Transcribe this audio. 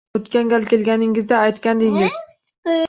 O`tgan gal kelganingizda aytgandingiz